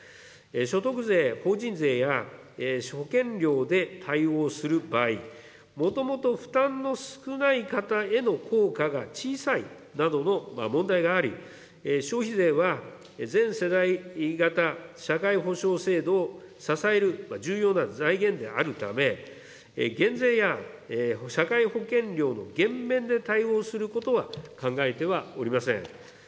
所得税、法人税や保険料で対応する場合、もともと負担の少ない方への効果が小さいなどの問題があり、消費税は全世代型社会保障制度を支える重要な財源であるため、減税や社会保険料の減免で対応することは考えてはおりません。